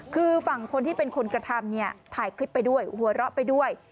คือฝั่งคนที่เป็นคนกระทำเนี่ยถ่ายคลิปไปด้วยหัวเราะไปด้วย